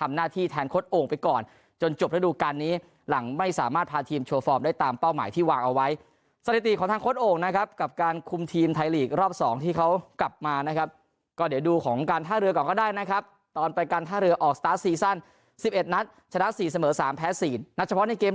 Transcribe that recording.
ทำหน้าที่แทนโค้ดโอ่งไปก่อนจนจบระดูการนี้หลังไม่สามารถพาทีมโชว์ฟอร์มได้ตามเป้าหมายที่วางเอาไว้สถิติของทางโค้ดโอ่งนะครับกับการคุมทีมไทยลีกรอบสองที่เขากลับมานะครับก็เดี๋ยวดูของการท่าเรือก่อนก็ได้นะครับตอนไปกันท่าเรือออกสตาร์ทซีซั่นสิบเอ็ดนัดชนะสี่เสมอสามแพ้สี่นัดเฉพาะในเกม